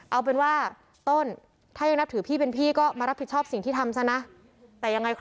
เอาก็พี่เป็นพี่ก็รับผิดความสิ่งที่ทำนะ